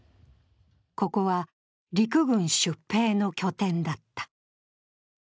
ここは陸軍出兵の拠点だった。